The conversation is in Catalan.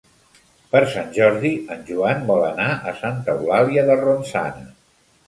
Per Sant Jordi en Joan vol anar a Santa Eulàlia de Ronçana.